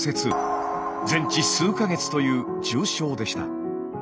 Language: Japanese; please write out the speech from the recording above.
全治数か月という重傷でした。